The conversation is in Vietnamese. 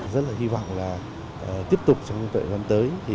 rất là hy vọng là tiếp tục trong những tuần gần tới